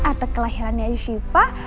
ate kelahirannya sifah